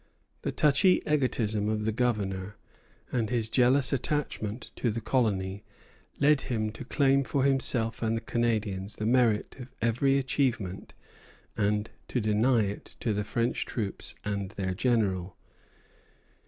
The touchy egotism of the Governor and his jealous attachment to the colony led him to claim for himself and the Canadians the merit of every achievement and to deny it to the French troops and their general.